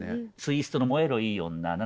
ツイストの「燃えろいい女」